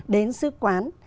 đến sư quán